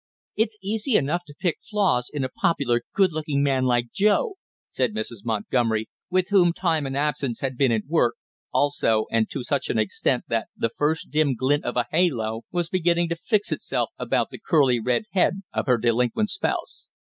"It's easy enough to pick flaws in a popular good looking man like Joe!" said Mrs. Montgomery, with whom time and absence had been at work, also, and to such an extent that the first dim glint of a halo was beginning to fix itself about the curly red head of her delinquent spouse.